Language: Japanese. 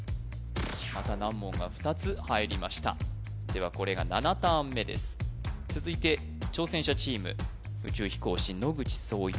また難問が２つ入りましたではこれが７ターン目です続いて挑戦者チーム宇宙飛行士野口聡一